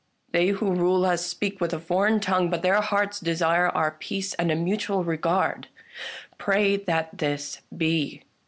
They who rule us speak with foreign tongue, but their hearts desire our peace and a mutual regard. Pray that this be.